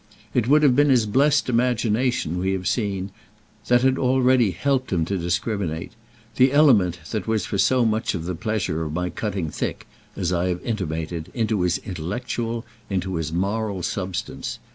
It would have been his blest imagination, we have seen, that had already helped him to discriminate; the element that was for so much of the pleasure of my cutting thick, as I have intimated, into his intellectual, into his moral substance.